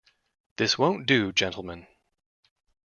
This won't do, gentlemen!